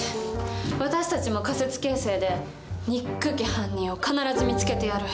私たちも仮説形成でにっくき犯人を必ず見つけてやる。